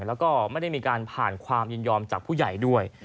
แล้วก็ไม่ได้มีการผ่านความยินยอมจากผู้ใหญ่ด้วย